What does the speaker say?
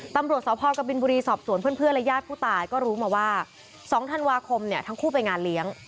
ตำรวจสพกบินบุรีสอบสวนเพื่อนและญาติผู้ตายก็รู้มาว่า๒ธันวาคมเนี่ยทั้งคู่ไปงานเลี้ยง